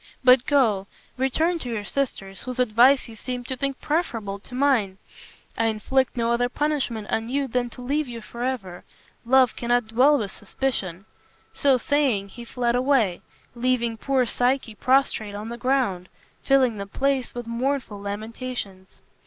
But go; return to your sisters, whose advice you seem to think preferable to mine. I inflict no other punishment on you than to leave you forever. Love cannot dwell with suspicion." So saying, he fled away, leaving poor Psyche prostrate on the ground, filling the place with mournful lamentations.